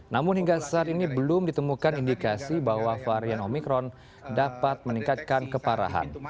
namun hingga saat ini belum ditemukan indikasi bahwa varian omikron dapat meningkatkan keparahan